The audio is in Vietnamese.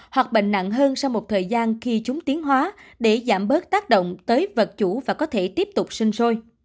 hoặc bệnh nặng hơn sau một thời gian khi chúng tiến hóa để giảm bớt tác động tới vật chủ và có thể tiếp tục sinh sôi